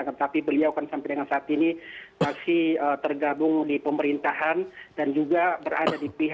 tetapi beliau kan sampai dengan saat ini masih tergabung di pemerintahan dan juga berada di pihak